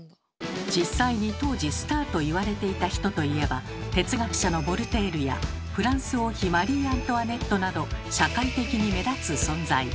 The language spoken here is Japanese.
実際に当時スターといわれていた人といえば哲学者のヴォルテールやフランス王妃マリー・アントワネットなど社会的に目立つ存在。